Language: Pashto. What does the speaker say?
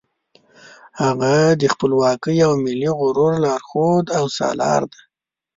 هغه د خپلواکۍ او ملي غرور لارښود او سالار دی.